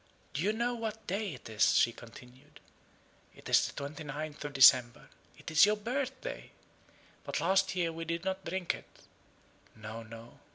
"Do you know what day it is?" she continued. "It is the 29th of December it is your birthday! But last year we did not drink it no, no.